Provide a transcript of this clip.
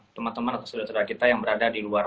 teman teman atau saudara saudara kita yang berada di luar